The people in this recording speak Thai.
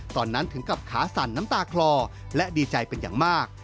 ถึงกับขาสั่นน้ำตาคลอและดีใจเป็นอย่างมาก